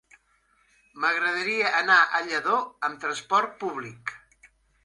M'agradaria anar a Lladó amb trasport públic.